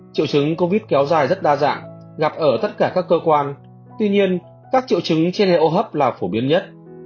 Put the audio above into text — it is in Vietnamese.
triệu chứng covid kéo dài rất đa dạng gặp ở tất cả các cơ quan tuy nhiên các triệu chứng trên hệ hô hấp là phổ biến nhất